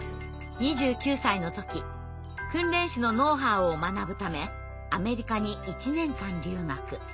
２９歳の時訓練士のノウハウを学ぶためアメリカに１年間留学。